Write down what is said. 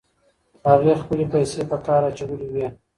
هغې خپلې پیسې په کار اچولې وې.